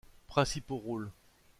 Principaux rôles.